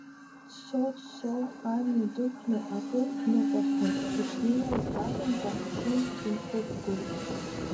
Дцо, дцо, амҩа дықәны акыр дныҟәахьан, дышнеиуаз акәымкәа мшынк дынхықәгылт.